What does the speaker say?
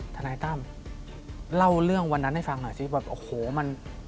กลับที่วันนั้นไว้เรียนรูปนี้